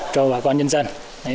cho bà con nhân dân